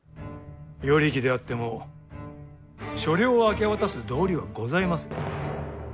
与力であっても所領を明け渡す道理はございませぬ。